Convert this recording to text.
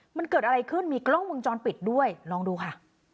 มันเกิดอะไรขึ้นมีกล้องมุมจรปิดด้วยลองดูค่ะ